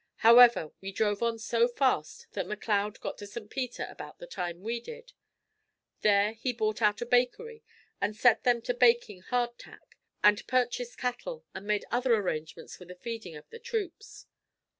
However, we drove on so fast that McLeod got to St. Peter about the time we did. There we bought out a bakery and set them to baking hard tack, and purchased cattle and made other arrangements for the feeding of the troops.